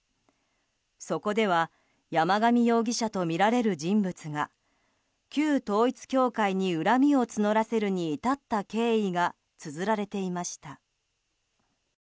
そこでは山上容疑者とみられる人物が旧統一教会に恨みを募らせるに至った経緯がつづられていました。